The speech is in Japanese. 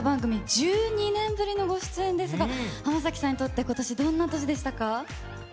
１２年ぶりのご出演ですが、浜崎さんにとってことしはどんな年でしたか？